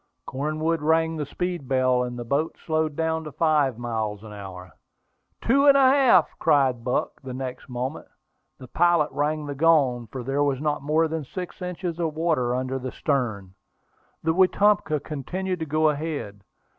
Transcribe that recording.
Cornwood rang the speed bell, and the boat slowed down to five miles an hour. "Two feet and a half!" cried Buck, the next moment. The pilot rang the gong, for there was not more than six inches of water under the stern. The Wetumpka continued to go ahead.